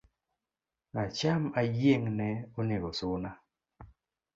Acham ayiengne onego suna